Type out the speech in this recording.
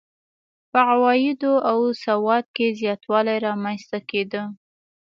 په عوایدو او سواد کې زیاتوالی رامنځته کېده.